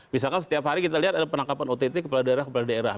misalkan setiap hari kita lihat ada penangkapan ott kepala daerah kepala daerah